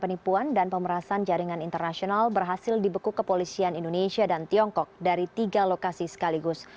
penipuan dan pemerasan jaringan internasional berhasil dibekuk kepolisian indonesia dan tiongkok dari tiga lokasi sekaligus